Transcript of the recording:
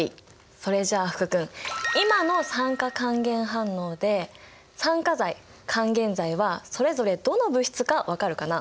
それじゃ福君今の酸化還元反応で酸化剤還元剤はそれぞれどの物質か分かるかな？